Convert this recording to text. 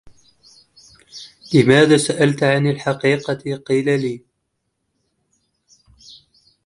لما سألت عن الحقيقة قيل لي